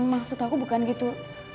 maksud aku bukan gitu